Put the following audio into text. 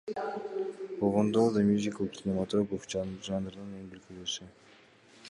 Болгондо да мюзикл — кинематограф жанрынын эң күлкүлүүсү.